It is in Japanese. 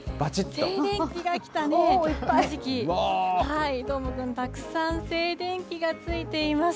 静電気がきたね、この時期、どーもくん、たくさん静電気がついています。